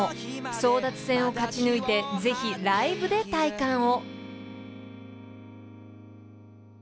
［争奪戦を勝ち抜いてぜひライブで体感を］